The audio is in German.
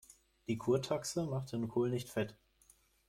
Die Kurtaxe macht den Kohl nicht fett.